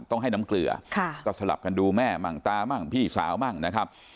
ต้องให้น้ำเกลือก็สลับกันดูแม่มั่งตามั่งพี่สาวมั่งนะครับ